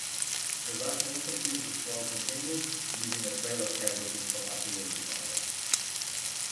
The Russian infantry's withdrawal continued, leaving a trail of casualties from artillery fire.